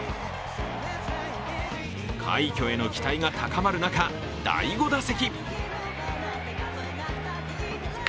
快挙への期待が高まる中、第５打席。